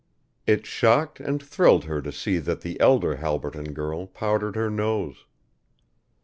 It shocked and thrilled her to see that the elder Halberton girl powdered her nose.